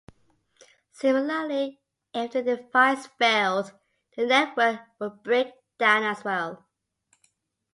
Similarly, if the device failed, the network would break down as well.